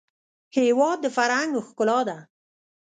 هېواد د فرهنګ ښکلا ده.